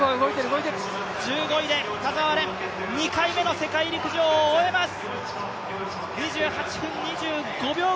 １５位で田澤廉、２回目の世界陸上を終えます。